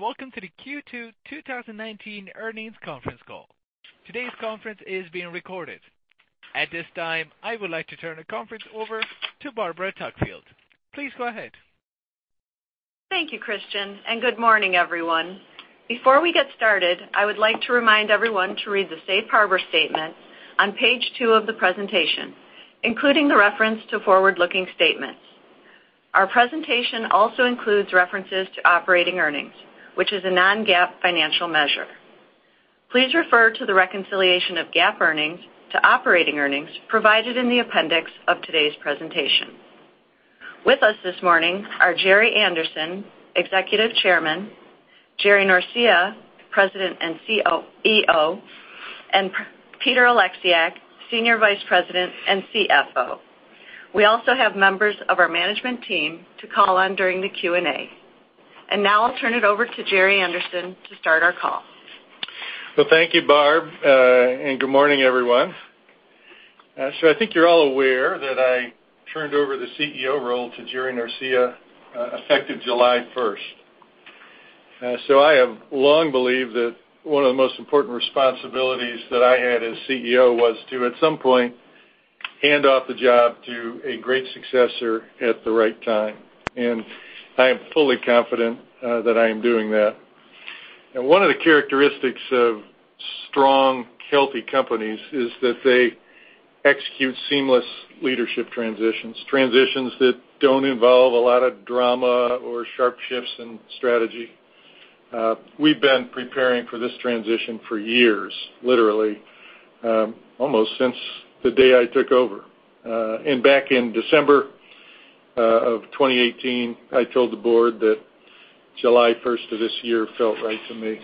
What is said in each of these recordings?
Welcome to the Q2 2019 earnings conference call. Today's conference is being recorded. At this time, I would like to turn the conference over to Barbara Tuckfield. Please go ahead. Thank you, Christian, and good morning, everyone. Before we get started, I would like to remind everyone to read the safe harbor statement on page two of the presentation, including the reference to forward-looking statements. Our presentation also includes references to operating earnings, which is a non-GAAP financial measure. Please refer to the reconciliation of GAAP earnings to operating earnings provided in the appendix of today's presentation. With us this morning are Gerry Anderson, Executive Chairman, Jerry Norcia, President and CEO, and Peter Oleksiak, Senior Vice President and CFO. We also have members of our management team to call on during the Q&A. Now I'll turn it over to Gerry Anderson to start our call. Well, thank you, Barb. Good morning, everyone. I think you're all aware that I turned over the CEO role to Jerry Norcia, effective July 1st. I have long believed that one of the most important responsibilities that I had as CEO was to, at some point, hand off the job to a great successor at the right time, and I am fully confident that I am doing that. One of the characteristics of strong, healthy companies is that they execute seamless leadership transitions that don't involve a lot of drama or sharp shifts in strategy. We've been preparing for this transition for years, literally, almost since the day I took over. Back in December of 2018, I told the board that July 1st of this year felt right to me.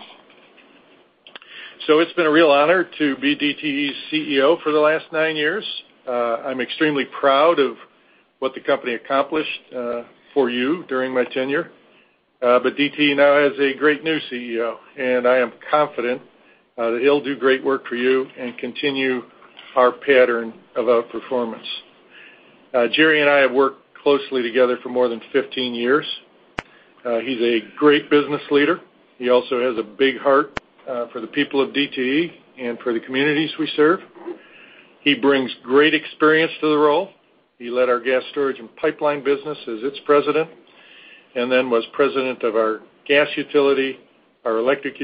It's been a real honor to be DTE's CEO for the last nine years. I'm extremely proud of what the company accomplished for you during my tenure. DTE now has a great new CEO, and I am confident that he'll do great work for you and continue our pattern of outperformance. Gerry and I have worked closely together for more than 15 years. He's a great business leader. He also has a big heart for the people of DTE and for the communities we serve. He brings great experience to the role. He led our Gas Storage & Pipelines business as its President, and then was President of our DTE Gas, our DTE Electric,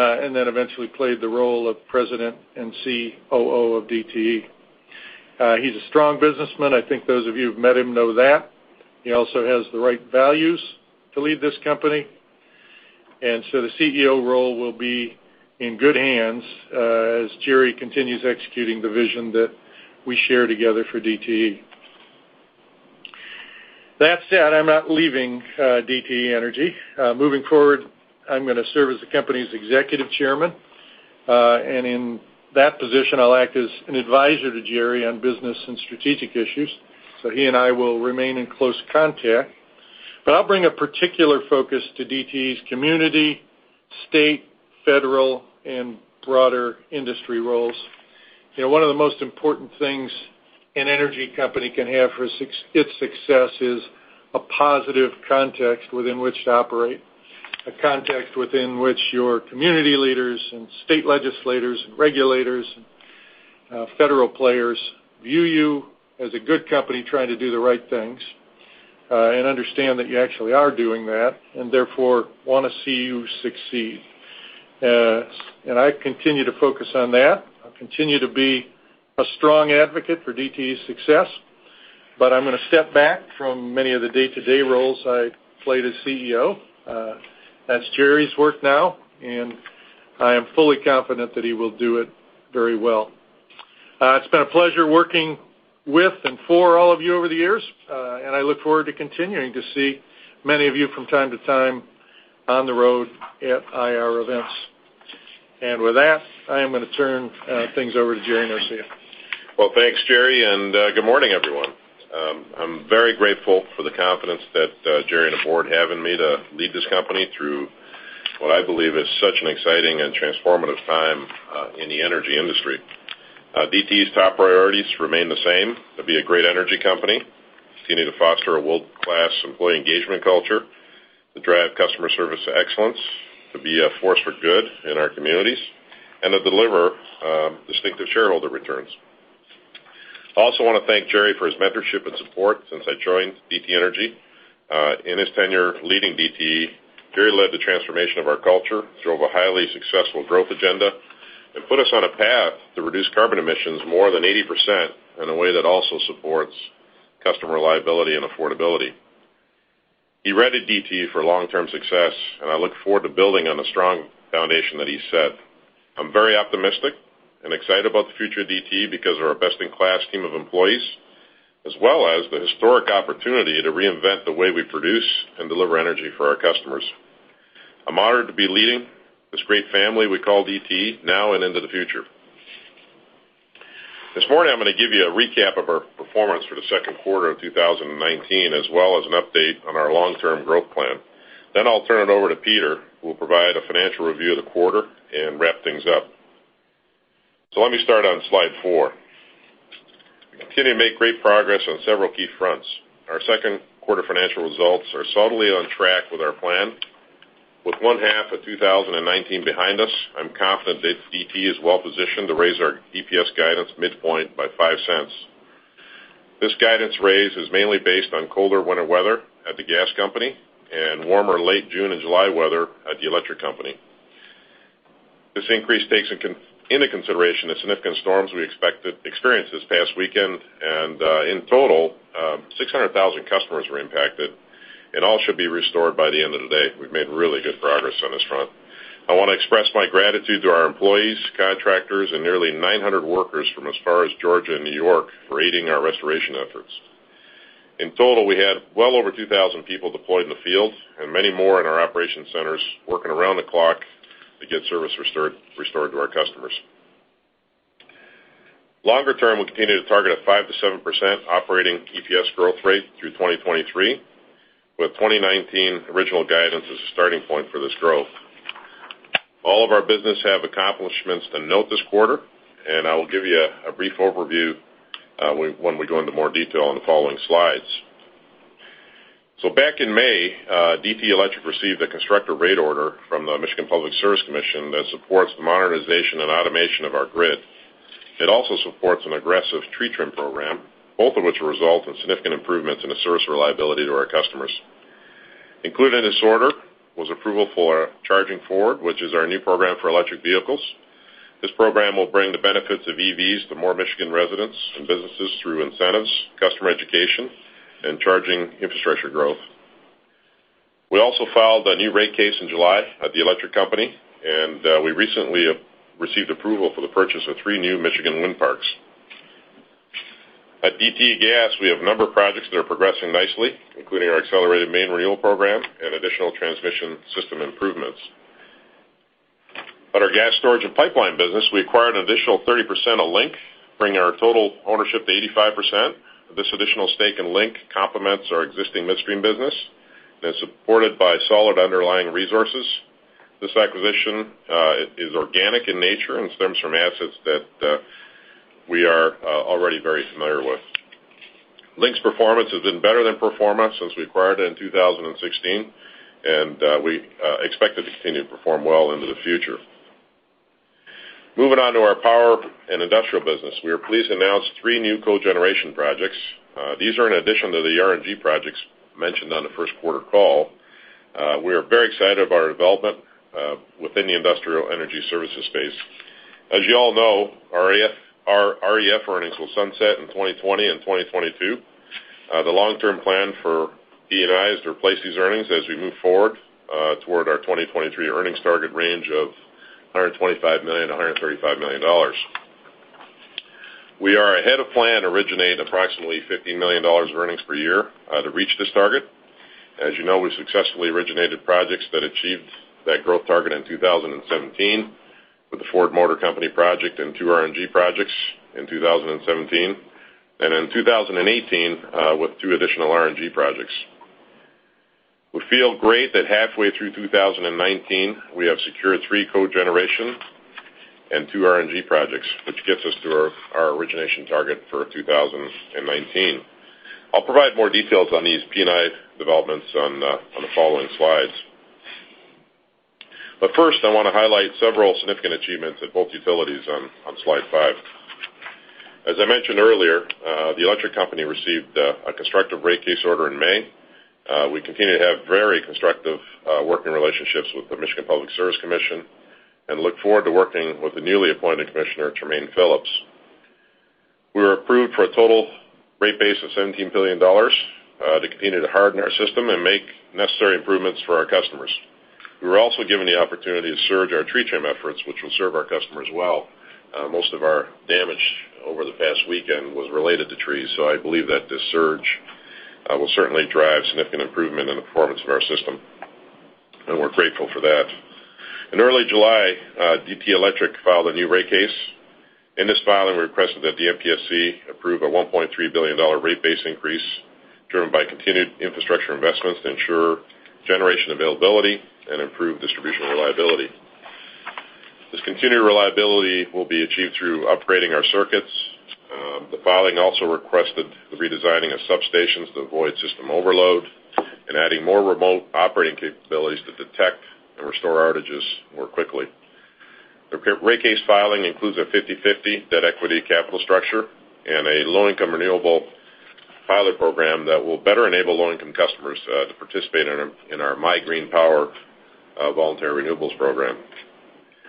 and then eventually played the role of President and COO of DTE. He's a strong businessman. I think those of you who've met him know that. He also has the right values to lead this company, and so the CEO role will be in good hands as Jerry continues executing the vision that we share together for DTE. That said, I'm not leaving DTE Energy. Moving forward, I'm going to serve as the company's Executive Chairman, and in that position, I'll act as an advisor to Jerry on business and strategic issues. He and I will remain in close contact. I'll bring a particular focus to DTE's community, state, federal, and broader industry roles. One of the most important things an energy company can have for its success is a positive context within which to operate, a context within which your community leaders and state legislators and regulators, federal players, view you as a good company trying to do the right things, and understand that you actually are doing that, and therefore want to see you succeed. I continue to focus on that. I'll continue to be a strong advocate for DTE's success, but I'm going to step back from many of the day-to-day roles I played as CEO. That's Gerry's work now, and I am fully confident that he will do it very well. It's been a pleasure working with and for all of you over the years, and I look forward to continuing to see many of you from time to time on the road at IR events. With that, I am going to turn things over to Jerry Norcia. Well, thanks, Gerry, and good morning, everyone. I'm very grateful for the confidence that Gerry and the board have in me to lead this company through what I believe is such an exciting and transformative time in the energy industry. DTE's top priorities remain the same. To be a great energy company, continuing to foster a world-class employee engagement culture, to drive customer service excellence, to be a force for good in our communities, and to deliver distinctive shareholder returns. I also want to thank Gerry for his mentorship and support since I joined DTE Energy. In his tenure leading DTE, Gerry led the transformation of our culture, drove a highly successful growth agenda, and put us on a path to reduce carbon emissions more than 80% in a way that also supports customer reliability and affordability. He readied DTE for long-term success, and I look forward to building on the strong foundation that he set. I'm very optimistic and excited about the future of DTE because of our best-in-class team of employees, as well as the historic opportunity to reinvent the way we produce and deliver energy for our customers. I'm honored to be leading this great family we call DTE now and into the future. This morning, I'm going to give you a recap of our performance for the second quarter of 2019, as well as an update on our long-term growth plan. I'll turn it over to Peter, who will provide a financial review of the quarter and wrap things up. Let me start on slide four. Continue to make great progress on several key fronts. Our second quarter financial results are solidly on track with our plan. With one half of 2019 behind us, I'm confident that DTE is well-positioned to raise our EPS guidance midpoint by $0.05. This guidance raise is mainly based on colder winter weather at the gas company and warmer late June and July weather at the electric company. This increase takes into consideration the significant storms we experienced this past weekend. In total, 600,000 customers were impacted, and all should be restored by the end of the day. We've made really good progress on this front. I want to express my gratitude to our employees, contractors, and nearly 900 workers from as far as Georgia and New York for aiding our restoration efforts. In total, we had well over 2,000 people deployed in the field and many more in our operation centers working around the clock to get service restored to our customers. Longer term, we continue to target a 5%-7% operating EPS growth rate through 2023, with 2019 original guidance as a starting point for this growth. All of our business have accomplishments to note this quarter, and I will give you a brief overview when we go into more detail on the following slides. Back in May, DTE Electric received a constructive rate order from the Michigan Public Service Commission that supports the modernization and automation of our grid. It also supports an aggressive tree trim program, both of which result in significant improvements in the service reliability to our customers. Included in this order was approval for Charging Forward, which is our new program for electric vehicles. This program will bring the benefits of EVs to more Michigan residents and businesses through incentives, customer education, and charging infrastructure growth. We also filed a new rate case in July at DTE Electric. We recently received approval for the purchase of three new Michigan wind parks. At DTE Gas, we have a number of projects that are progressing nicely, including our accelerated main renewal program and additional transmission system improvements. At our Gas Storage & Pipelines business, we acquired an additional 30% of Link, bringing our total ownership to 85%. This additional stake in Link complements our existing midstream business and is supported by solid underlying resources. This acquisition is organic in nature and stems from assets that we are already very familiar with. Link's performance has been better than pro forma since we acquired it in 2016. We expect it to continue to perform well into the future. Moving on to our Power & Industrial business. We are pleased to announce three new cogeneration projects. These are in addition to the RNG projects mentioned on the first quarter call. We are very excited of our development within the industrial energy services space. As you all know, our REF earnings will sunset in 2020 and 2022. The long-term plan for P&I is to replace these earnings as we move forward toward our 2023 earnings target range of $125 million to $135 million. We are ahead of plan to originate approximately $15 million of earnings per year to reach this target. As you know, we successfully originated projects that achieved that growth target in 2017 with the Ford Motor Company project and two RNG projects in 2017, and in 2018, with two additional RNG projects. We feel great that halfway through 2019, we have secured three cogeneration and two RNG projects, which gets us to our origination target for 2019. I'll provide more details on these P&I developments on the following slides. First, I want to highlight several significant achievements at both utilities on slide five. As I mentioned earlier, the electric company received a constructive rate case order in May. We continue to have very constructive working relationships with the Michigan Public Service Commission and look forward to working with the newly appointed commissioner, Tremaine Phillips. We were approved for a total rate base of $17 billion to continue to harden our system and make necessary improvements for our customers. We were also given the opportunity to surge our tree trim efforts, which will serve our customers well. Most of our damage over the past weekend was related to trees, so I believe that this surge will certainly drive significant improvement in the performance of our system, and we're grateful for that. In early July, DTE Electric filed a new rate case. In this filing, we requested that the MPSC approve a $1.3 billion rate-based increase driven by continued infrastructure investments to ensure generation availability and improve distribution reliability. This continued reliability will be achieved through upgrading our circuits. The filing also requested the redesigning of substations to avoid system overload and adding more remote operating capabilities to detect and restore outages more quickly. The rate case filing includes a 50/50 debt equity capital structure and a low-income renewable pilot program that will better enable low-income customers to participate in our MI Green Power voluntary renewables program.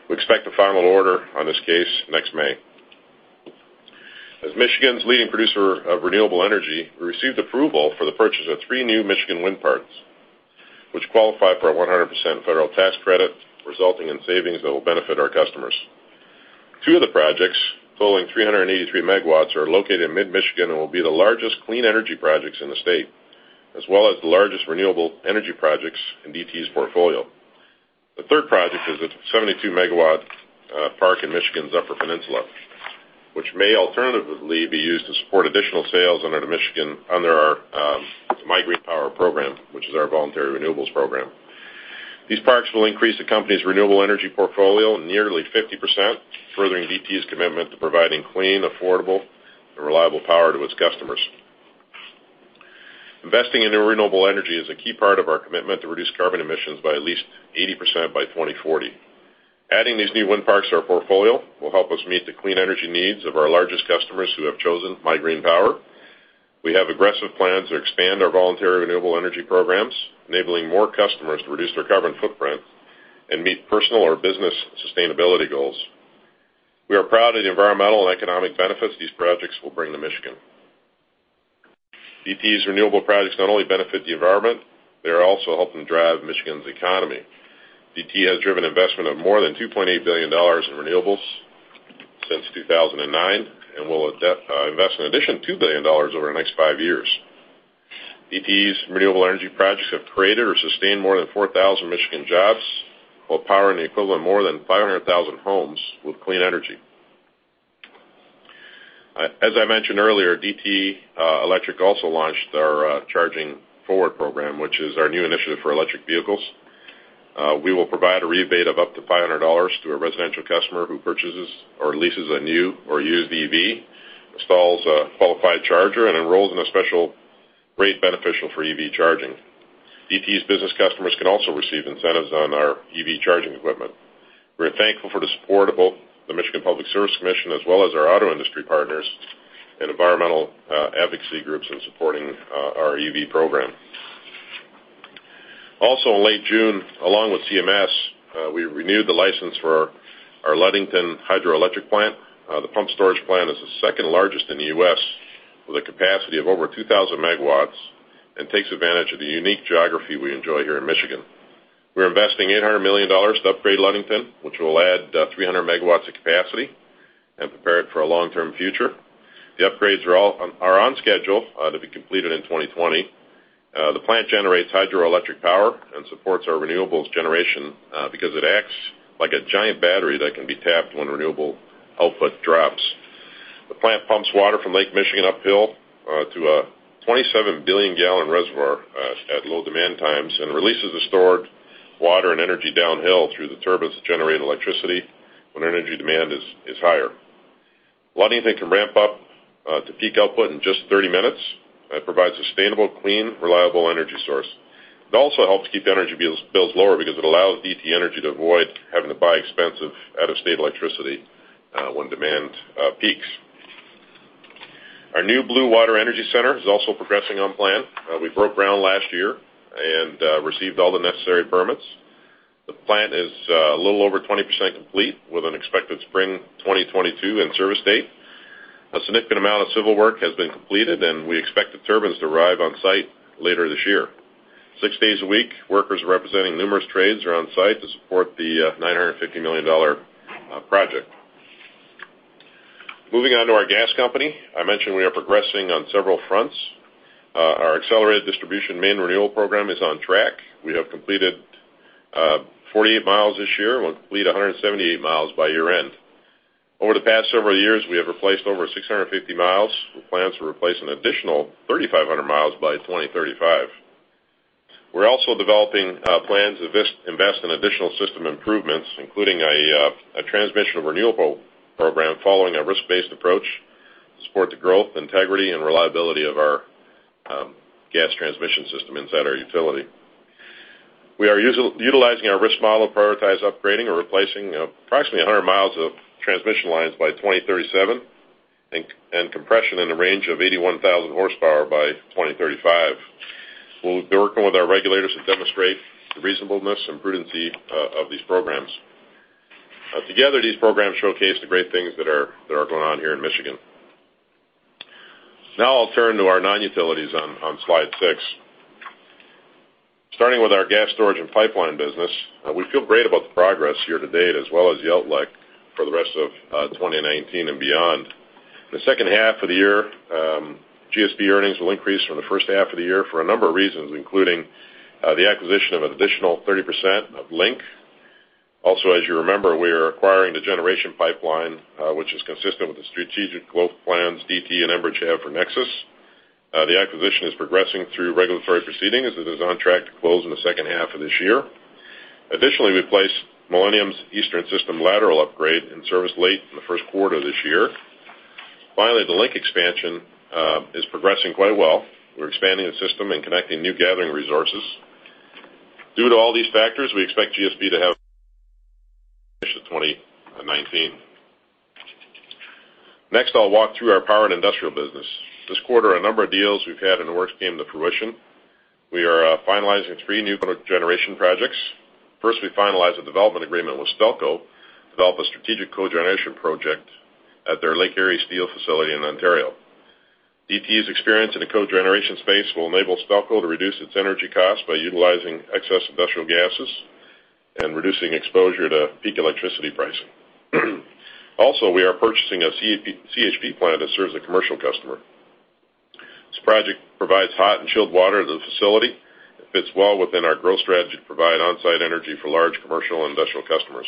We expect a final order on this case next May. As Michigan's leading producer of renewable energy, we received approval for the purchase of three new Michigan wind parks, which qualify for a 100% federal tax credit, resulting in savings that will benefit our customers. Two of the projects, totaling 383 megawatts, are located in mid-Michigan and will be the largest clean energy projects in the state, as well as the largest renewable energy projects in DTE's portfolio. The third project is a 72-megawatt park in Michigan's Upper Peninsula, which may alternatively be used to support additional sales under our MI Green Power program, which is our voluntary renewables program. These parks will increase the company's renewable energy portfolio nearly 50%, furthering DTE's commitment to providing clean, affordable, and reliable power to its customers. Investing in renewable energy is a key part of our commitment to reduce carbon emissions by at least 80% by 2040. Adding these new wind parks to our portfolio will help us meet the clean energy needs of our largest customers who have chosen MI Green Power. We have aggressive plans to expand our voluntary renewable energy programs, enabling more customers to reduce their carbon footprint and meet personal or business sustainability goals. We are proud of the environmental and economic benefits these projects will bring to Michigan. DTE's renewable projects not only benefit the environment, they are also helping drive Michigan's economy. DTE has driven investment of more than $2.8 billion in renewables since 2009, and will invest an additional $2 billion over the next five years. DTE's renewable energy projects have created or sustained more than 4,000 Michigan jobs, while powering the equivalent of more than 500,000 homes with clean energy. As I mentioned earlier, DTE Electric also launched our Charging Forward program, which is our new initiative for electric vehicles. We will provide a rebate of up to $500 to a residential customer who purchases or leases a new or used EV, installs a qualified charger, and enrolls in a special rate beneficial for EV charging. DTE's business customers can also receive incentives on our EV charging equipment. We're thankful for the support of both the Michigan Public Service Commission, as well as our auto industry partners and environmental advocacy groups in supporting our EV program. In late June, along with CMS, we renewed the license for our Ludington hydroelectric plant. The pumped storage plant is the second largest in the U.S., with a capacity of over 2,000 megawatts, and takes advantage of the unique geography we enjoy here in Michigan. We're investing $800 million to upgrade Ludington, which will add 300 megawatts of capacity and prepare it for a long-term future. The upgrades are on schedule to be completed in 2020. The plant generates hydroelectric power and supports our renewables generation because it acts like a giant battery that can be tapped when renewable output drops. The plant pumps water from Lake Michigan uphill to a 27-billion-gallon reservoir at low demand times, and releases the stored water and energy downhill through the turbines that generate electricity when energy demand is higher. Ludington can ramp up to peak output in just 30 minutes, and provides a sustainable, clean, reliable energy source. It also helps keep energy bills lower because it allows DTE Energy to avoid having to buy expensive out-of-state electricity when demand peaks. Our new Blue Water Energy Center is also progressing on plan. We broke ground last year and received all the necessary permits. The plant is a little over 20% complete, with an expected spring 2022 in-service date. A significant amount of civil work has been completed. We expect the turbines to arrive on-site later this year. Six days a week, workers representing numerous trades are on-site to support the $950 million project. Moving on to our gas company. I mentioned we are progressing on several fronts. Our Accelerated Distribution Main Renewal Program is on track. We have completed 48 miles this year and will complete 178 miles by year-end. Over the past several years, we have replaced over 650 miles, with plans to replace an additional 3,500 miles by 2035. We're also developing plans to invest in additional system improvements, including a Transmission Renewal Program following a risk-based approach to support the growth, integrity, and reliability of our gas transmission system inside our utility. We are utilizing our risk model to prioritize upgrading or replacing approximately 100 miles of transmission lines by 2037 and compression in the range of 81,000 horsepower by 2035. We'll be working with our regulators to demonstrate the reasonableness and prudency of these programs. Together, these programs showcase the great things that are going on here in Michigan. Now I'll turn to our non-utilities on slide six. Starting with our Gas Storage & Pipelines business, we feel great about the progress here to date, as well as the outlook for the rest of 2019 and beyond. In the second half of the year, GSP earnings will increase from the first half of the year for a number of reasons, including the acquisition of an additional 30% of Link. As you remember, we are acquiring the Generation Pipeline, which is consistent with the strategic growth plans DTE and Enbridge have for NEXUS. The acquisition is progressing through regulatory proceedings. It is on track to close in the second half of this year. We placed Millennium's Eastern System Upgrade in service late in the first quarter of this year. The Link expansion is progressing quite well. We're expanding the system and connecting new gathering resources. Due to all these factors, we expect GSP to have 2019. I'll walk through our Power and Industrial business. This quarter, a number of deals we've had in the works came to fruition. We are finalizing three new cogeneration projects. We finalized a development agreement with Stelco to develop a strategic cogeneration project at their Lake Erie steel facility in Ontario. DTE's experience in the cogeneration space will enable Stelco to reduce its energy cost by utilizing excess industrial gases and reducing exposure to peak electricity pricing. We are purchasing a CHP plant that serves a commercial customer. This project provides hot and chilled water to the facility and fits well within our growth strategy to provide on-site energy for large commercial and industrial customers.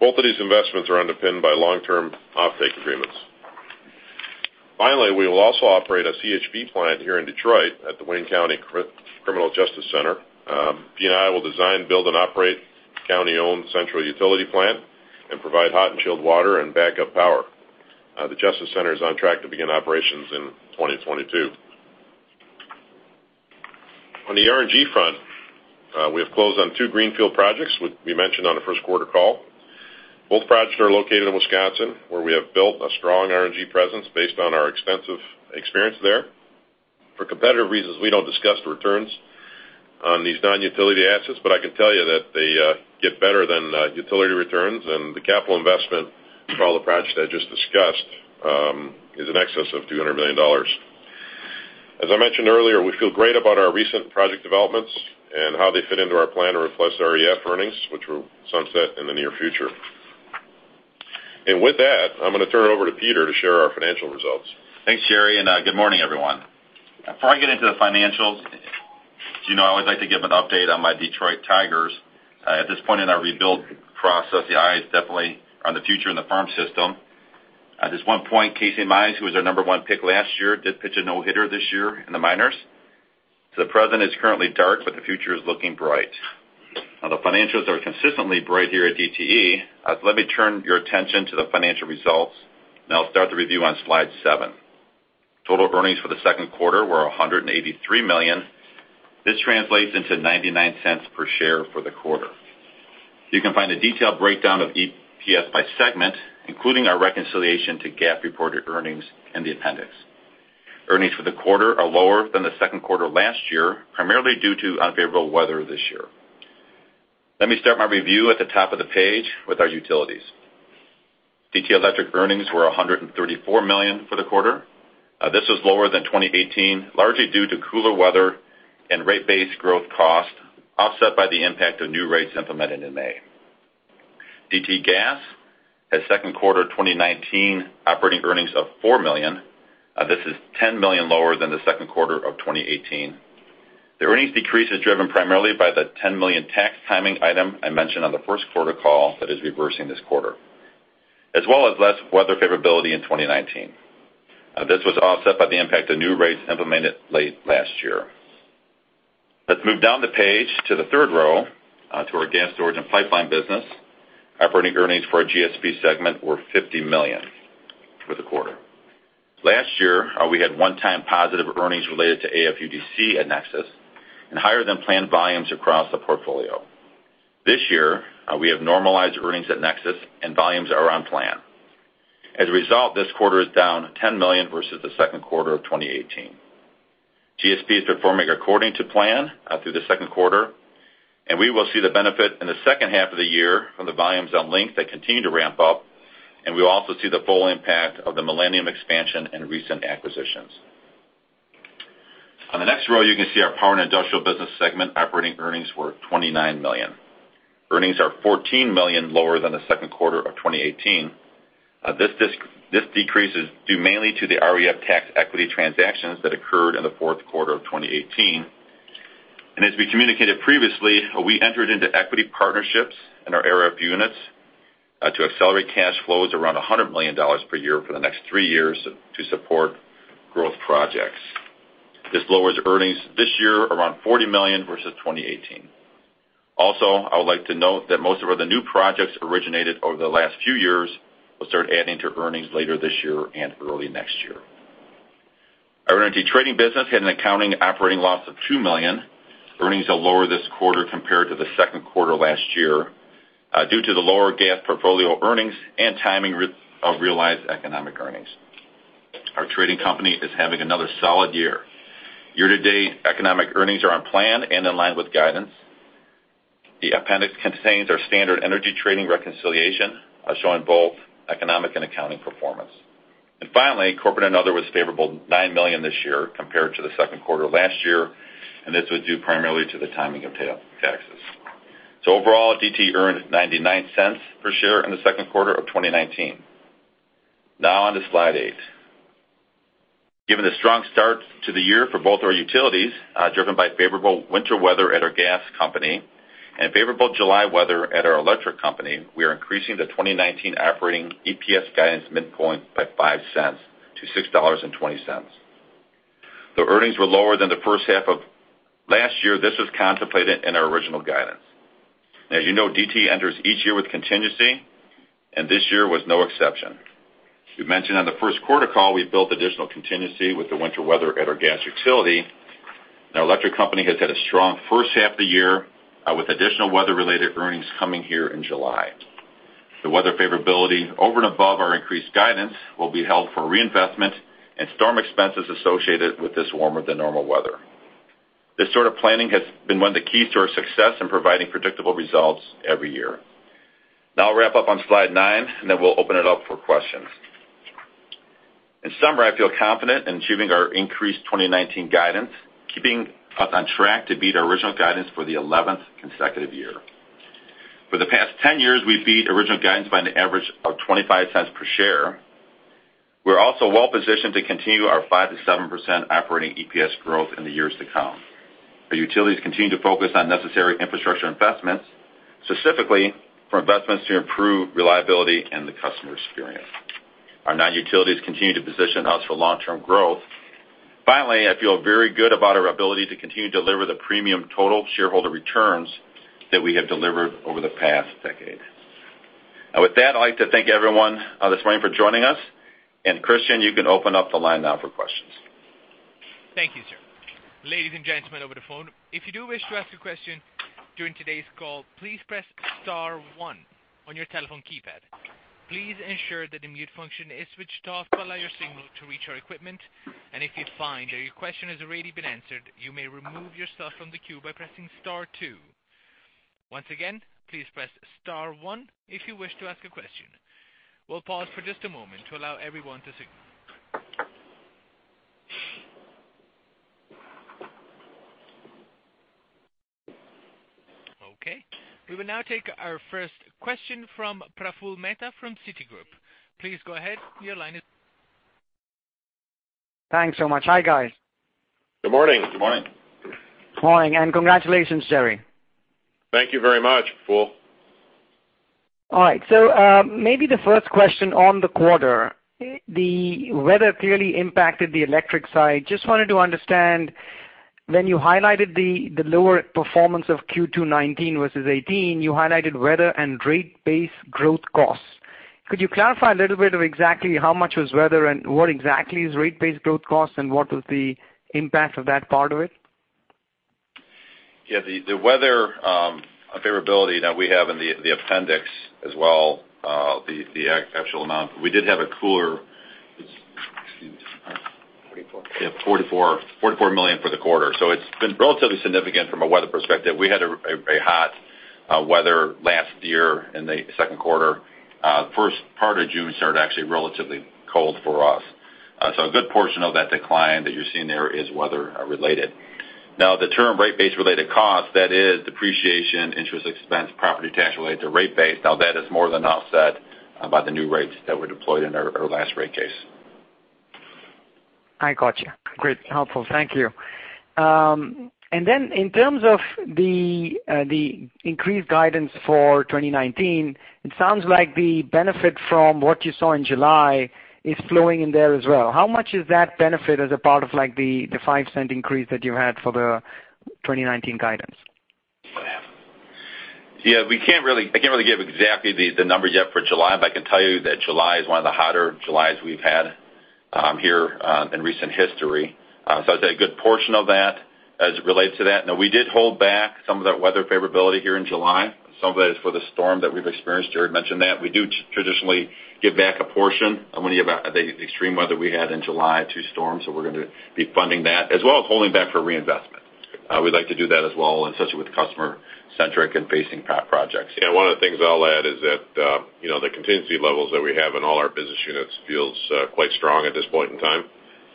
Both of these investments are underpinned by long-term offtake agreements. We will also operate a CHP plant here in Detroit at the Wayne County Criminal Justice Center. P&I will design, build, and operate the county-owned central utility plant and provide hot and chilled water and backup power. The Justice Center is on track to begin operations in 2022. On the RNG front, we have closed on two greenfield projects, which we mentioned on the first quarter call. Both projects are located in Wisconsin, where we have built a strong RNG presence based on our extensive experience there. For competitive reasons, we don't discuss the returns on these non-utility assets, but I can tell you that they get better than utility returns, and the capital investment for all the projects I just discussed is in excess of $200 million. As I mentioned earlier, we feel great about our recent project developments and how they fit into our plan to replace REF earnings, which will sunset in the near future. With that, I'm going to turn it over to Peter to share our financial results. Thanks, Jerry. Good morning, everyone. Before I get into the financials, as you know, I always like to give an update on my Detroit Tigers. At this point in our rebuild process, the eye is definitely on the future in the farm system. At this one point, Casey Mize, who was our number one pick last year, did pitch a no-hitter this year in the minors. The present is currently dark, but the future is looking bright. Now, the financials are consistently bright here at DTE. Let me turn your attention to the financial results, and I'll start the review on slide seven. Total earnings for the second quarter were $183 million. This translates into $0.99 per share for the quarter. You can find a detailed breakdown of EPS by segment, including our reconciliation to GAAP-reported earnings in the appendix. Earnings for the quarter are lower than the second quarter last year, primarily due to unfavorable weather this year. Let me start my review at the top of the page with our utilities. DTE Electric earnings were $134 million for the quarter. This was lower than 2018, largely due to cooler weather and rate base growth cost, offset by the impact of new rates implemented in May. DTE Gas has second quarter 2019 operating earnings of $4 million. This is $10 million lower than the second quarter of 2018. The earnings decrease is driven primarily by the $10 million tax timing item I mentioned on the first quarter call that is reversing this quarter, as well as less weather favorability in 2019. This was offset by the impact of new rates implemented late last year. Let's move down the page to the third row, to our Gas Storage and Pipeline business. Operating earnings for our GSP segment were $50 million for the quarter. Last year, we had one-time positive earnings related to AFUDC at NEXUS and higher-than-planned volumes across the portfolio. This year, we have normalized earnings at NEXUS and volumes are on plan. This quarter is down $10 million versus the second quarter of 2018. GSP is performing according to plan through the second quarter. We will see the benefit in the second half of the year from the volumes on Link that continue to ramp up. We will also see the full impact of the Millennium expansion and recent acquisitions. On the next row, you can see our Power and Industrial Business segment operating earnings were $29 million. Earnings are $14 million lower than the second quarter of 2018. This decrease is due mainly to the REF tax equity transactions that occurred in the fourth quarter of 2018. As we communicated previously, we entered into equity partnerships in our REF units to accelerate cash flows around $100 million per year for the next three years to support growth projects. This lowers earnings this year around $40 million versus 2018. I would like to note that most of the new projects originated over the last few years will start adding to earnings later this year and early next year. Our energy trading business had an accounting operating loss of $2 million. Earnings are lower this quarter compared to the second quarter last year due to the lower gas portfolio earnings and timing of realized economic earnings. Our trading company is having another solid year. Year-to-date economic earnings are on plan and in line with guidance. The appendix contains our standard energy trading reconciliation, showing both economic and accounting performance. Corporate and other was favorable $9 million this year compared to the second quarter last year, and this was due primarily to the timing of taxes. DTE earned $0.99 per share in the second quarter of 2019. Now on to slide eight. Given the strong start to the year for both our utilities, driven by favorable winter weather at our gas company and favorable July weather at our electric company, we are increasing the 2019 operating EPS guidance midpoint by $0.05 to $6.20. Though earnings were lower than the first half of last year, this was contemplated in our original guidance. As you know, DTE enters each year with contingency, and this year was no exception. As we mentioned on the first quarter call, we built additional contingency with the winter weather at our gas utility. Our electric company has had a strong first half of the year with additional weather-related earnings coming here in July. The weather favorability over and above our increased guidance will be held for reinvestment and storm expenses associated with this warmer-than-normal weather. This sort of planning has been one of the keys to our success in providing predictable results every year. Now I'll wrap up on slide nine, and then we'll open it up for questions. In summary, I feel confident in achieving our increased 2019 guidance, keeping us on track to beat our original guidance for the 11th consecutive year. For the past 10 years, we've beat original guidance by an average of $0.25 per share. We're also well-positioned to continue our 5%-7% operating EPS growth in the years to come. Our utilities continue to focus on necessary infrastructure investments, specifically for investments to improve reliability and the customer experience. Our non-utilities continue to position us for long-term growth. Finally, I feel very good about our ability to continue to deliver the premium total shareholder returns that we have delivered over the past decade. Now with that, I'd like to thank everyone this morning for joining us. Christian, you can open up the line now for questions. Thank you, sir. Ladies and gentlemen over the phone, if you do wish to ask a question during today's call, please press star one on your telephone keypad. Please ensure that the mute function is switched off to allow your signal to reach our equipment. If you find that your question has already been answered, you may remove yourself from the queue by pressing star two. Once again, please press star one if you wish to ask a question. We'll pause for just a moment to allow everyone to signal. Okay. We will now take our first question from Praful Mehta from Citigroup. Please go ahead. Thanks so much. Hi, guys. Good morning. Good morning. Morning, and congratulations, Jerry. Thank you very much, Praful. All right. Maybe the first question on the quarter. The weather clearly impacted the electric side. Just wanted to understand when you highlighted the lower performance of Q2 2019 versus 2018, you highlighted weather and rate base growth costs. Could you clarify a little bit of exactly how much was weather and what exactly is rate base growth costs, and what was the impact of that part of it? Yeah. The weather unfavorability that we have in the appendix as well, the actual amount, but we did have a cooler. Excuse me. Forty-four. Yeah, $44 million for the quarter. It's been relatively significant from a weather perspective. We had very hot weather last year in the second quarter. First part of June started actually relatively cold for us. A good portion of that decline that you're seeing there is weather-related. The term rate base-related cost, that is depreciation, interest expense, property tax related to rate base. That is more than offset by the new rates that were deployed in our last rate case. I got you. Great. Helpful. Thank you. In terms of the increased guidance for 2019, it sounds like the benefit from what you saw in July is flowing in there as well. How much is that benefit as a part of the $0.05 increase that you had for the 2019 guidance? I can't really give exactly the numbers yet for July, but I can tell you that July is one of the hotter Julys we've had here in recent history. I'd say a good portion of that as it relates to that. We did hold back some of that weather favorability here in July. Some of that is for the storm that we've experienced. Jerry mentioned that. We do traditionally give back a portion of any of the extreme weather we had in July, two storms. We're going to be funding that as well as holding back for reinvestment. We'd like to do that as well, and especially with customer-centric and facing projects. Yeah. One of the things I'll add is that the contingency levels that we have in all our business units feels quite strong at this point in time,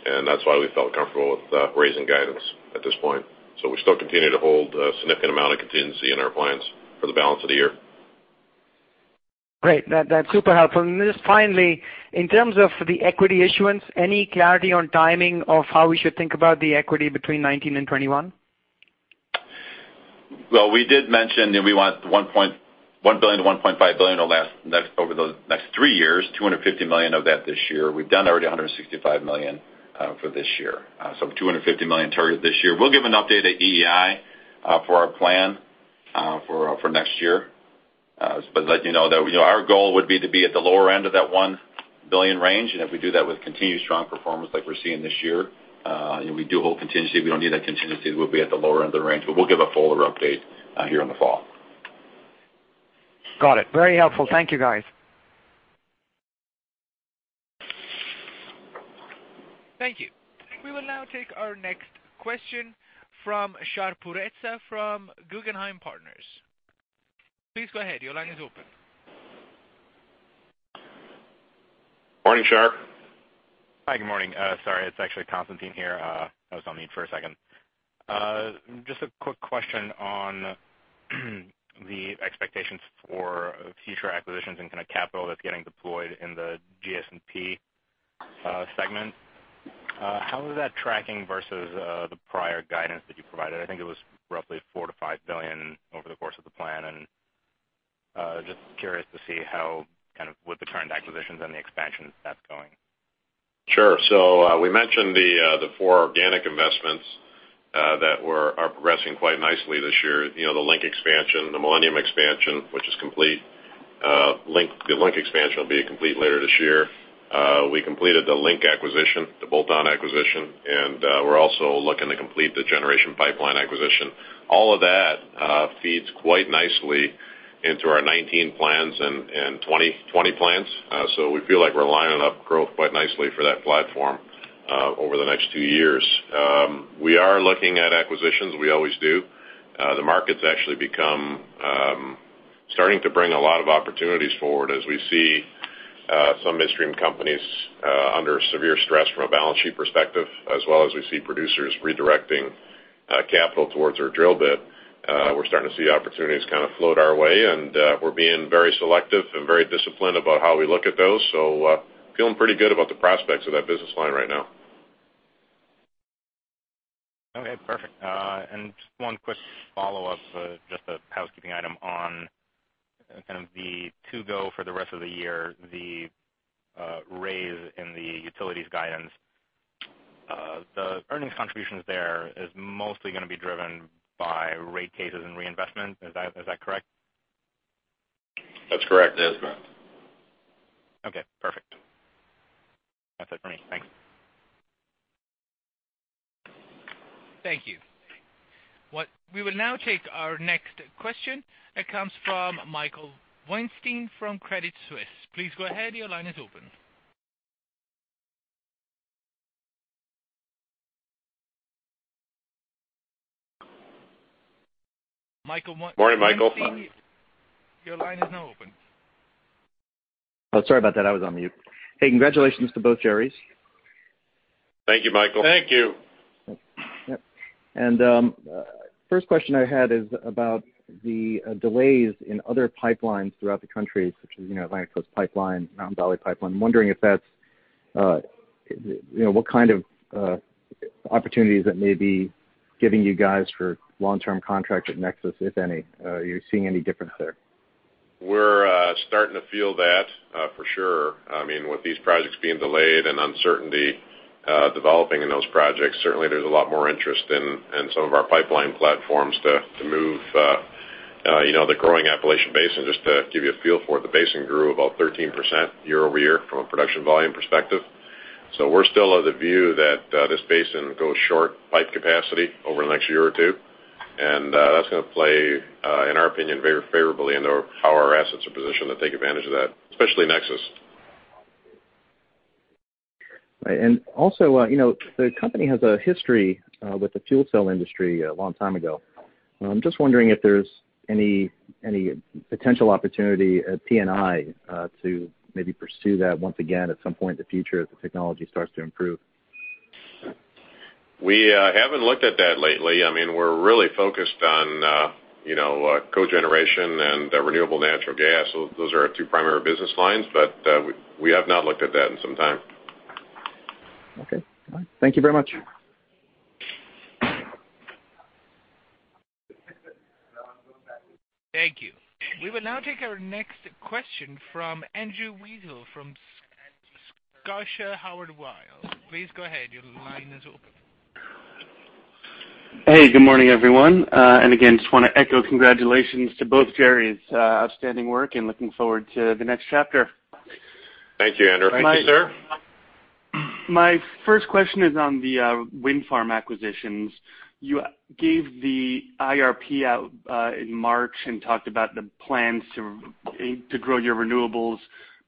and that's why we felt comfortable with raising guidance at this point. We still continue to hold a significant amount of contingency in our plans for the balance of the year. Great. That's super helpful. Then just finally, in terms of the equity issuance, any clarity on timing of how we should think about the equity between 2019 and 2021? Well, we did mention that we want $1 billion-$1.5 billion over the next 3 years, $250 million of that this year. We've done already $165 million for this year. $250 million target this year. We'll give an update at EEI for our plan for next year. To let you know that our goal would be to be at the lower end of that $1 billion range. If we do that with continued strong performance like we're seeing this year, and we do hold contingency, we don't need that contingency, we'll be at the lower end of the range, but we'll give a fuller update here in the fall. Got it. Very helpful. Thank you, guys. Thank you. We will now take our next question from Shahriar Pourreza from Guggenheim Partners. Please go ahead. Your line is open. Morning, Shar. Hi. Good morning. Sorry, it's actually Constantine here. I was on mute for a second. A quick question on the expectations for future acquisitions and kind of capital that's getting deployed in the GS&P segment. How is that tracking versus the prior guidance that you provided? I think it was roughly $4 billion-$5 billion over the course of the plan. Just curious to see how kind of with the current acquisitions and the expansions, that's going. Sure. We mentioned the four organic investments that are progressing quite nicely this year. The Link expansion, the Millennium expansion, which is complete. Link expansion will be complete later this year. We completed the Link acquisition, the bolt-on acquisition, and we're also looking to complete the Generation Pipeline acquisition. All of that feeds quite nicely into our 2019 plans and 2020 plans. We feel like we're lining up growth quite nicely for that platform over the next two years. We are looking at acquisitions. We always do. The market's actually become starting to bring a lot of opportunities forward as we see some midstream companies under severe stress from a balance sheet perspective, as well as we see producers redirecting capital towards their drill bit. We're starting to see opportunities kind of float our way, and we're being very selective and very disciplined about how we look at those. Feeling pretty good about the prospects of that business line right now. Okay, perfect. Just one quick follow-up, just a housekeeping item on kind of the to-go for the rest of the year, the raise in the utilities guidance. The earnings contributions there is mostly going to be driven by rate cases and reinvestment. Is that correct? That's correct. Okay, perfect. That's it for me. Thanks. Thank you. We will now take our next question. It comes from Michael Weinstein from Credit Suisse. Please go ahead. Your line is open. Michael Weinstein- Morning, Michael. Your line is now open. Oh, sorry about that. I was on mute. Hey, congratulations to both Jerrys. Thank you, Michael. Thank you. Yep. First question I had is about the delays in other pipelines throughout the country, such as Atlantic Coast Pipeline, Mountain Valley Pipeline. I'm wondering what kind of opportunities that may be giving you guys for long-term contracts at NEXUS, if any. Are you seeing any difference there? We're starting to feel that for sure. With these projects being delayed and uncertainty developing in those projects, certainly there's a lot more interest in some of our pipeline platforms to move the growing Appalachian Basin. Just to give you a feel for it, the basin grew about 13% year-over-year from a production volume perspective. We're still of the view that this basin goes short pipe capacity over the next year or two, and that's going to play, in our opinion, very favorably into how our assets are positioned to take advantage of that, especially NEXUS. Right. The company has a history with the fuel cell industry a long time ago. I'm just wondering if there's any potential opportunity at P&I to maybe pursue that once again at some point in the future as the technology starts to improve. We haven't looked at that lately. We're really focused on cogeneration and renewable natural gas. Those are our two primary business lines, but we have not looked at that in some time. Okay. All right. Thank you very much. Thank you. We will now take our next question from Andrew Weisel from Scotia Howard Weil. Please go ahead. Your line is open. Hey, good morning, everyone. Again, just want to echo congratulations to both Jerrys. Outstanding work and looking forward to the next chapter. Thank you, Andrew. Thank you, sir. My first question is on the wind farm acquisitions. You gave the IRP out in March and talked about the plans to grow your renewables.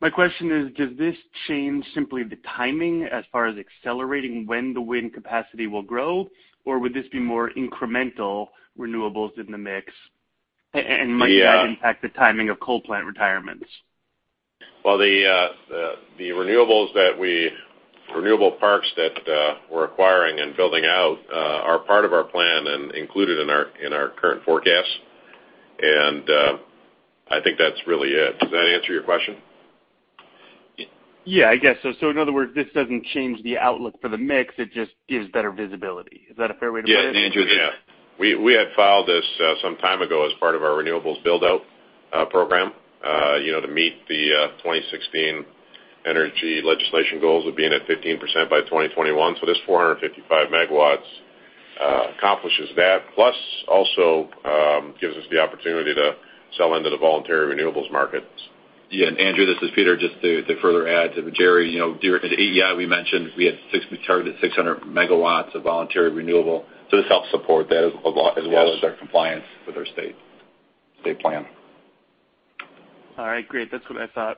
My question is, does this change simply the timing as far as accelerating when the wind capacity will grow, or would this be more incremental renewables in the mix? Might that impact the timing of coal plant retirements? Well, the renewable parks that we're acquiring and building out are part of our plan and included in our current forecast. I think that's really it. Does that answer your question? Yeah, I guess so. In other words, this doesn't change the outlook for the mix. It just gives better visibility. Is that a fair way to put it? Yeah. We had filed this some time ago as part of our renewables build-out program to meet the 2016 energy legislation goals of being at 15% by 2021. This 455 megawatts accomplishes that, plus also gives us the opportunity to sell into the voluntary renewables markets. Yeah. Andrew, this is Peter. Just to further add to Jerry. During the EEI, we mentioned we had targeted 600 MW of voluntary renewable. This helps support that as well as our compliance with our state plan. All right, great. That's what I thought.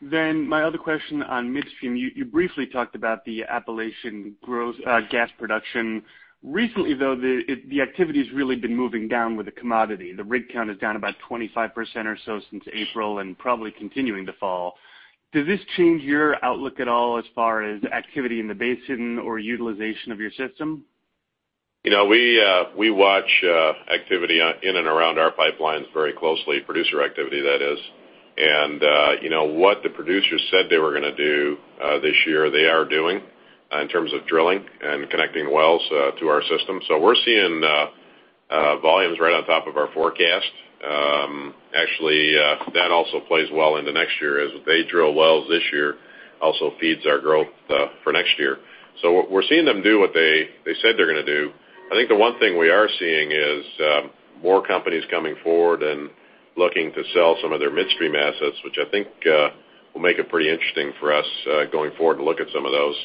My other question on midstream, you briefly talked about the Appalachian growth gas production. Recently, though, the activity has really been moving down with the commodity. The rig count is down about 25% or so since April and probably continuing to fall. Does this change your outlook at all as far as activity in the basin or utilization of your system? We watch activity in and around our pipelines very closely, producer activity that is. What the producers said they were going to do this year, they are doing in terms of drilling and connecting wells to our system. We're seeing volumes right on top of our forecast. Actually, that also plays well into next year, as they drill wells this year, also feeds our growth for next year. We're seeing them do what they said they're going to do. I think the one thing we are seeing is more companies coming forward and looking to sell some of their midstream assets, which I think will make it pretty interesting for us going forward to look at some of those.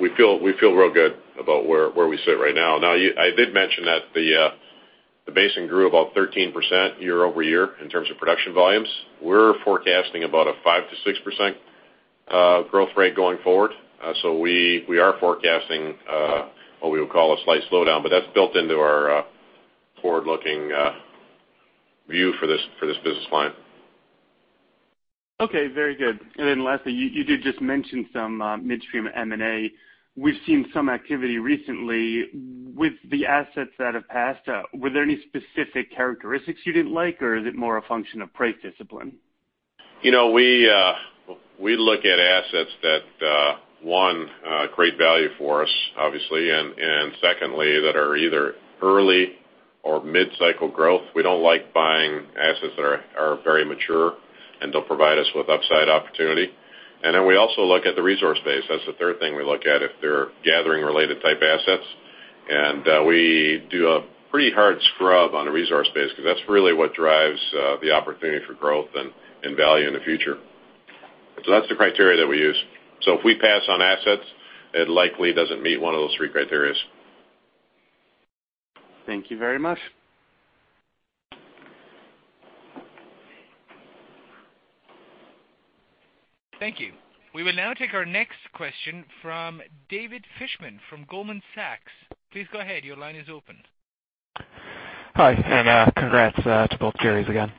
We feel real good about where we sit right now. Now, I did mention that the basin grew about 13% year-over-year in terms of production volumes. We're forecasting about a 5% to 6% growth rate going forward. We are forecasting what we would call a slight slowdown, but that's built into our forward-looking view for this business line. Okay, very good. Lastly, you did just mention some midstream M&A. We've seen some activity recently with the assets that have passed. Were there any specific characteristics you didn't like, or is it more a function of price discipline? We look at assets that, one, create value for us, obviously, and secondly, that are either early or mid-cycle growth. We don't like buying assets that are very mature and don't provide us with upside opportunity. We also look at the resource base. That's the third thing we look at if they're gathering-related type assets. We do a pretty hard scrub on the resource base because that's really what drives the opportunity for growth and value in the future. That's the criteria that we use. If we pass on assets, it likely doesn't meet one of those three criterias. Thank you very much. Thank you. We will now take our next question from David Fishman from Goldman Sachs. Please go ahead. Your line is open. Hi, congrats to both Gerry's again.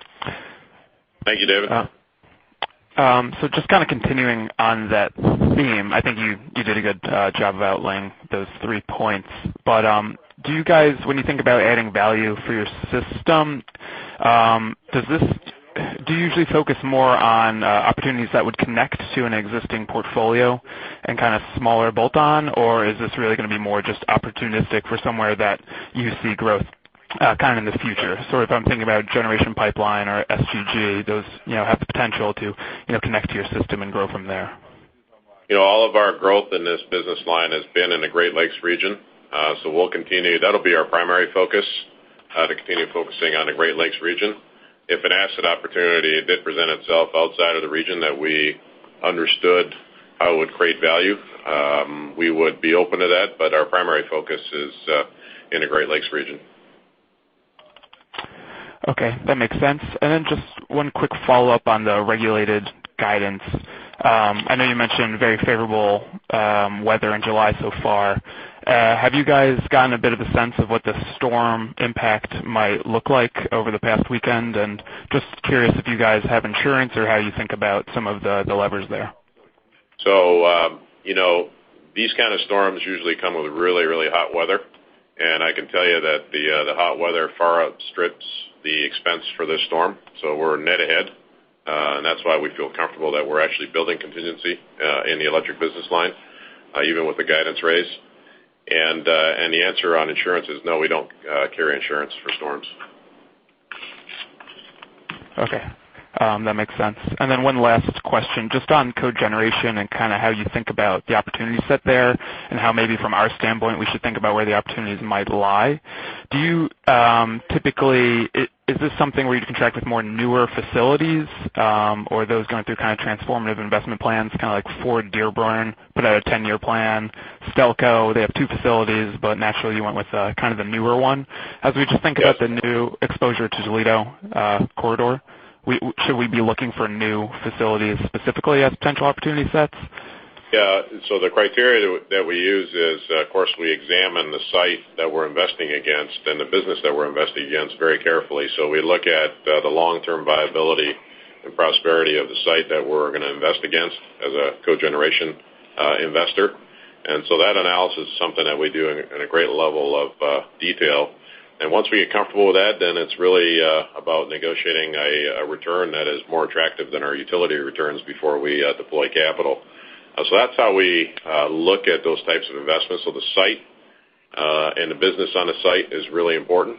Thank you, David. Just kind of continuing on that theme, I think you did a good job of outlining those three points, but do you guys, when you think about adding value for your system, do you usually focus more on opportunities that would connect to an existing portfolio and kind of smaller bolt-on, or is this really going to be more just opportunistic for somewhere that you see growth kind of in the future? Sort of, I'm thinking about Generation Pipeline or SGG, those have the potential to connect to your system and grow from there. All of our growth in this business line has been in the Great Lakes region. We'll continue. That'll be our primary focus, to continue focusing on the Great Lakes region. If an asset opportunity did present itself outside of the region that we understood how it would create value we would be open to that, but our primary focus is in the Great Lakes region. Okay. That makes sense. Then just one quick follow-up on the regulated guidance. I know you mentioned very favorable weather in July so far. Have you guys gotten a bit of a sense of what the storm impact might look like over the past weekend? Just curious if you guys have insurance or how you think about some of the levers there. These kind of storms usually come with really, really hot weather. I can tell you that the hot weather far outstrips the expense for this storm. We're net ahead. That's why we feel comfortable that we're actually building contingency in the electric business line, even with the guidance raise. The answer on insurance is no, we don't carry insurance for storms. Okay. That makes sense. Then one last question, just on cogeneration and kind of how you think about the opportunity set there and how maybe from our standpoint, we should think about where the opportunities might lie. Is this something where you contract with more newer facilities or those going through kind of transformative investment plans, kind of like Ford Dearborn put out a 10-year plan. Stelco, they have two facilities, but naturally you went with kind of the newer one. As we just think about the new exposure to Toledo Corridor, should we be looking for new facilities specifically as potential opportunity sets? Yeah. The criteria that we use is, of course, we examine the site that we're investing against and the business that we're investing against very carefully. We look at the long-term viability and prosperity of the site that we're going to invest against as a cogeneration investor. That analysis is something that we do in a great level of detail. Once we get comfortable with that, then it's really about negotiating a return that is more attractive than our utility returns before we deploy capital. That's how we look at those types of investments. The site and the business on the site is really important.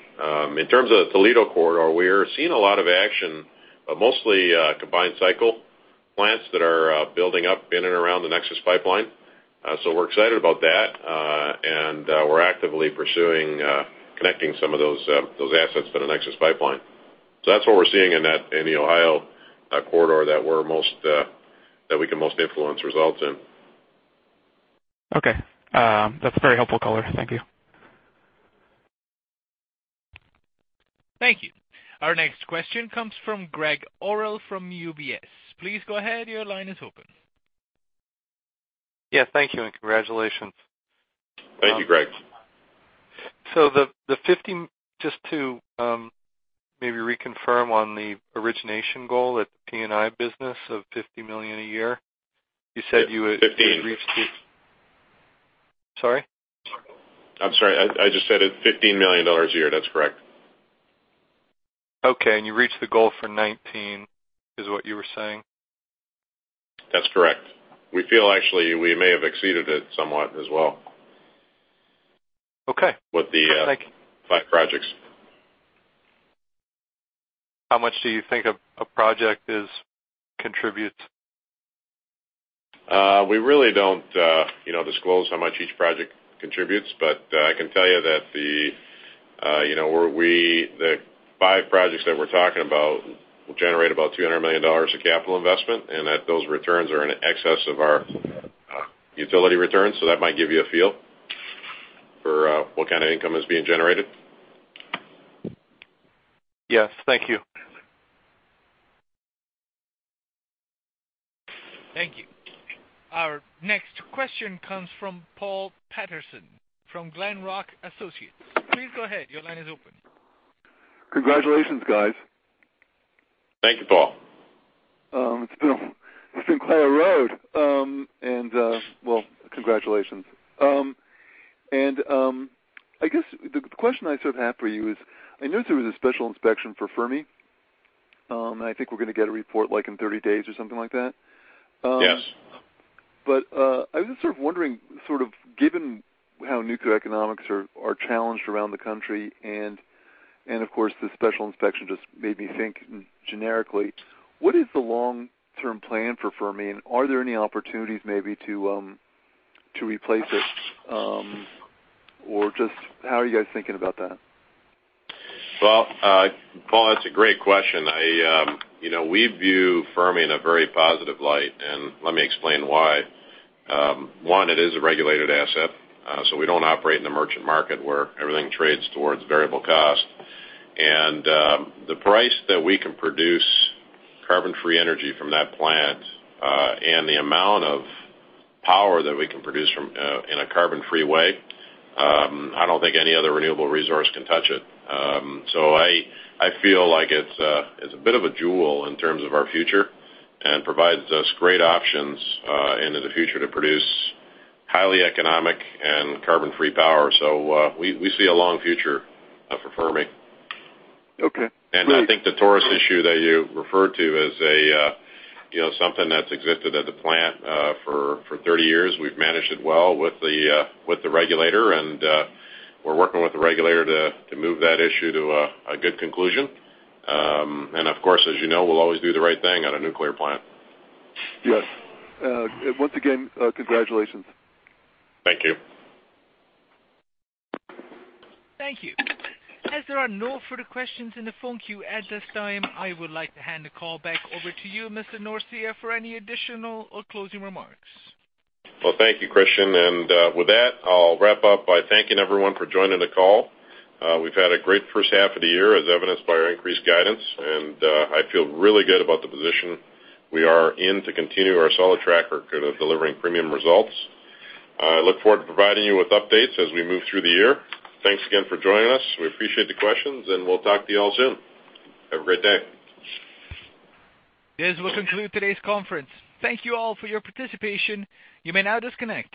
In terms of the Toledo Corridor, we are seeing a lot of action, but mostly combined cycle plants that are building up in and around the NEXUS Pipeline. We're excited about that. We're actively pursuing connecting some of those assets to the NEXUS Pipeline. That's what we're seeing in the Ohio corridor that we can most influence results in. Okay. That's very helpful color. Thank you. Thank you. Our next question comes from Greg Gordon from UBS. Please go ahead. Your line is open. Yeah, thank you and congratulations. Thank you, Greg. Just to maybe reconfirm on the origination goal at the P&I business of $50 million a year, you said you would. 15. Sorry? I'm sorry. I just said it, $15 million a year. That's correct. Okay. You reached the goal for 19, is what you were saying? That's correct. We feel actually we may have exceeded it somewhat as well. Okay. With the five projects. How much do you think a project contributes? We really don't disclose how much each project contributes. I can tell you that the five projects that we're talking about will generate about $200 million of capital investment and that those returns are in excess of our utility returns. That might give you a feel for what kind of income is being generated. Yes. Thank you. Thank you. Our next question comes from Paul Patterson from Glenrock Associates. Please go ahead. Your line is open. Congratulations, guys. Thank you, Paul. It's been quite a road. Well, congratulations. I guess the question I have for you is, I noticed there was a special inspection for Fermi, and I think we're going to get a report in 30 days or something like that. Yes. I was just wondering, given how nuclear economics are challenged around the country, and of course, the special inspection just made me think generically, what is the long-term plan for Fermi, and are there any opportunities maybe to replace it? Just how are you guys thinking about that? Well, Paul, that's a great question. We view Fermi in a very positive light. Let me explain why. One, it is a regulated asset. We don't operate in the merchant market where everything trades towards variable cost. The price that we can produce carbon-free energy from that plant, and the amount of power that we can produce in a carbon-free way, I don't think any other renewable resource can touch it. I feel like it's a bit of a jewel in terms of our future and provides us great options into the future to produce highly economic and carbon-free power. We see a long future for Fermi. Okay. Great. I think the torus issue that you referred to is something that's existed at the plant for 30 years. We've managed it well with the regulator, we're working with the regulator to move that issue to a good conclusion. Of course, as you know, we'll always do the right thing at a nuclear plant. Yes. Once again, congratulations. Thank you. Thank you. As there are no further questions in the phone queue at this time, I would like to hand the call back over to you, Mr. Norcia, for any additional or closing remarks. Well, thank you, Christian. With that, I'll wrap up by thanking everyone for joining the call. We've had a great first half of the year, as evidenced by our increased guidance, and I feel really good about the position we are in to continue our solid track record of delivering premium results. I look forward to providing you with updates as we move through the year. Thanks again for joining us. We appreciate the questions, and we'll talk to you all soon. Have a great day. This will conclude today's conference. Thank you all for your participation. You may now disconnect.